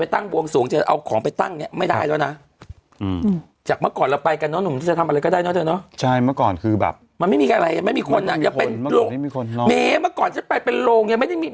บางทีก็ทำให้คนคิดถึงเหมือนกันเนอะอืมว่าเราไปไหว้ไอ้ไข่เราเข้าวัด